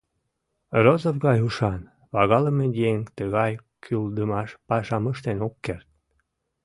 Розов гай ушан, пагалыме еҥ тыгай кӱлдымаш пашам ыштен ок керт.